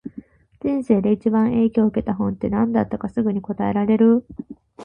人生で一番影響を受けた本って、何だったかすぐに答えられる？